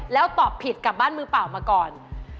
แล้วตอบผิดกลับบ้านมือเปล่ามาก่อน